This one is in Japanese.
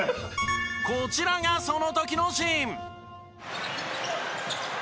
こちらがその時のシーン。